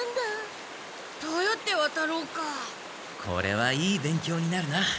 これはいい勉強になるな。